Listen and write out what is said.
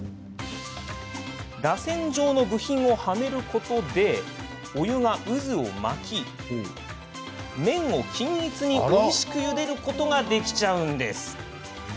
らせん状の部品をはめることでお湯が渦を巻き麺を均一においしくゆでることができるんです。